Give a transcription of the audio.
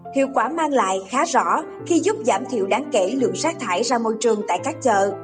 hiệu quả mang lại khá rõ khi giúp giảm thiểu đáng kể lượng sát thải ra môi trường tại các chợ